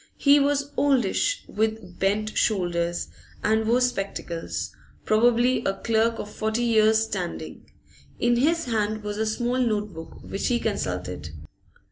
He was oldish, with bent shoulders, and wore spectacles probably a clerk of forty years' standing. In his hand was a small note book, which he consulted.